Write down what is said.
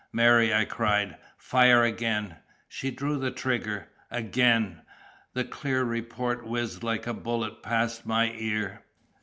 "Mary," I cried, "fire again!" She drew the trigger. "Again!" The clear report whizzed like a bullet past my ear.